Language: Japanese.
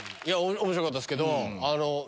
面白かったですけど。